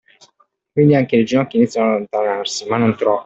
Quindi anche le ginocchia iniziano ad allontanarsi, ma non troppo.